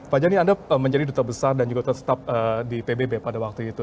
pak jani anda menjadi duta besar dan juga tetap di pbb pada waktu itu